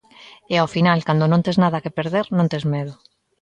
E ao final, cando non tes nada que perder, non tes medo.